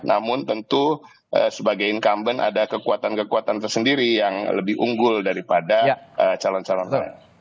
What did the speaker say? namun tentu sebagai incumbent ada kekuatan kekuatan tersendiri yang lebih unggul daripada calon calon tertentu